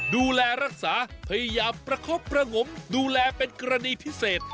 ดูแลรักษาพยายามประคบประงมดูแลเป็นกรณีพิเศษ